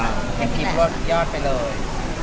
หั่นลิบรถยอดไปเลย